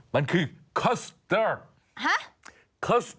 มันคือคัสเตอร์